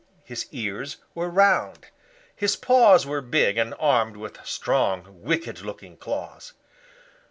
His ears were round. His paws were big and armed with strong, wicked looking claws.